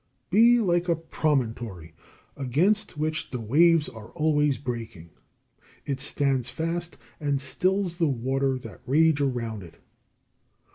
49. Be like a promontory against which the waves are always breaking. It stands fast, and stills the waters that rage around it.